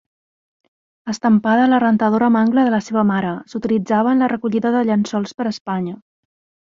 Estampada a la rentadora mangle de la seva mare, s'utilitzava en la recollida de llençols per a Espanya.